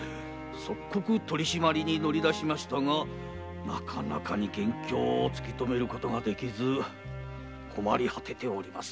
即刻取締りに乗り出しましたがなかなか元凶を突きとめられず困り果てております。